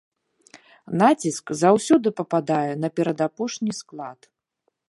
Націск заўсёды падае на перадапошні склад.